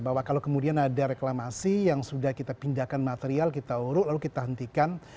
bahwa kalau kemudian ada reklamasi yang sudah kita pindahkan material kita uruk lalu kita hentikan